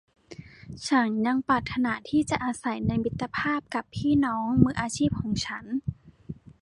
ฉันยังปรารถนาที่จะอาศัยในมิตรภาพกับพี่น้องมืออาชีพของฉัน